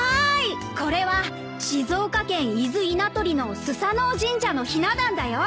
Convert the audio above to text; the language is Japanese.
これは静岡県伊豆稲取の素盞鳴神社のひな壇だよ。